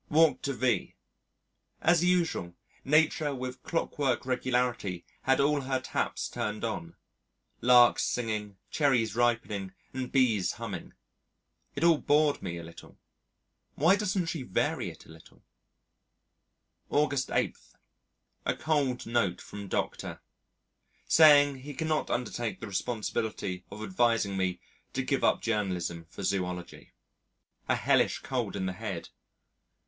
Walked to V . As usual, Nature with clockwork regularity had all her taps turned on larks singing, cherries ripening, and bees humming. It all bored me a little. Why doesn't she vary it a little? August 8. A cold note from Dr. saying that he cannot undertake the responsibility of advising me to give up journalism for zoology. A hellish cold in the head.